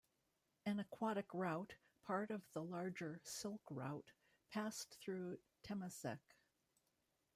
An aquatic route, part of the larger Silk route, passed through Temasek.